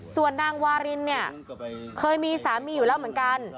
ส่วนนางวารินเนี่ยเคยมีสามีอยู่แล้วเหมือนกัน